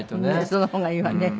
その方がいいわね。